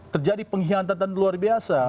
terjadi pengkhianatan luar biasa